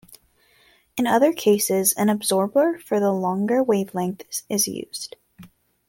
In other cases an absorber for the longer wavelengths is used.